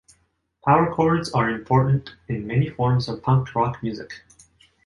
Power chords are important in many forms of punk rock music.